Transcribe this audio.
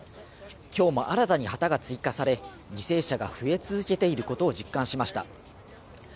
今日も新たに旗が追加され犠牲者が増え続けていることを実感しました。